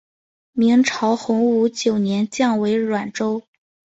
明朝洪武九年降为沅州。